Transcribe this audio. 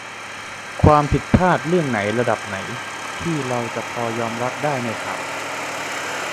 ความผิดพลาดเรื่องไหนระดับไหนที่เราพอจะยอมรับได้ในข่าว ?